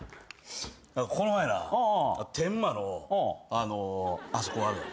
この前な天満のあそこあるやん。